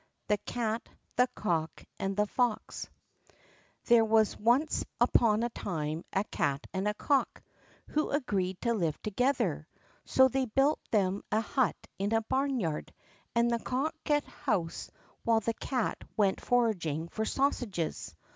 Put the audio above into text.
The Cat, the Cock, and the Fox There was once upon a time a cat and a cock, who agreed to live together; so they built them a hut in a barnyard, and the cock kept house while the cat went foraging for sausages.